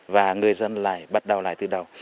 và người dân lại bắt đầu lại từ đầu